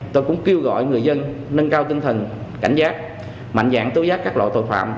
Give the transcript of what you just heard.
tôi cũng kêu gọi người dân nâng cao tinh thần cảnh giác mạnh dạng tố giác các loại tội phạm